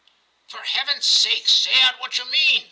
* For Heaven's sake say out what you mean